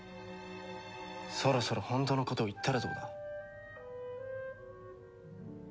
そろそろ本当のことを言ったらどうだ？